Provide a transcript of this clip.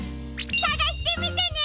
さがしてみてね！